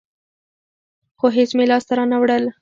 خو هېڅ مې لاس ته رانه وړل.